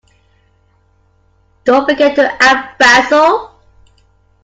Don't forget to add Basil.